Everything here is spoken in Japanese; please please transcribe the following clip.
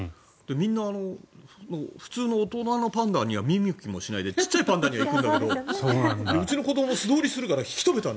みんな、普通の大人のパンダには見向きもしないでちっちゃいパンダには行くんだけどうちの子ども素通りするから引き留めたの。